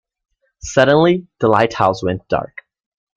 Suddenly, the lighthouse went dark.